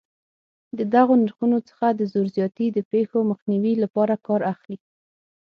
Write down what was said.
له دغو نرخونو څخه د زور زیاتي د پېښو مخنیوي لپاره کار اخلي.